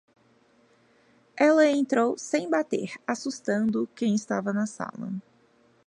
Ela entrou sem bater, assustado quem estava na sala.